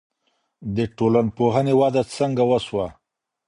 د ټولنپوهنې وده څنګه وسوه؟